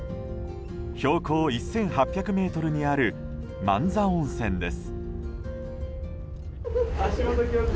標高１８００ｍにある万座温泉です。